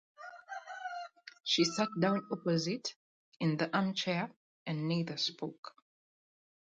She sat down opposite, in the armchair, and neither spoke.